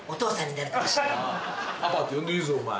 「パパ」って呼んでいいぞお前。